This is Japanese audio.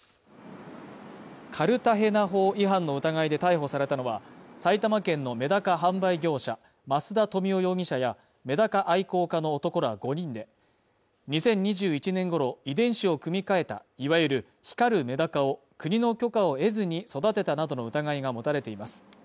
カルタヘナ法違反の疑いで逮捕されたのは埼玉県のメダカ販売業者増田富男容疑者やメダカ愛好家の男ら５人で、２０２１年頃、遺伝子を組み換えた、いわゆる光るメダカを国の許可を得ずに育てたなどの疑いが持たれています。